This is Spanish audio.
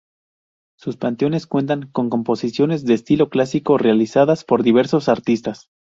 Sus panteones cuentan con composiciones de estilo clásico realizadas por diversos artistas.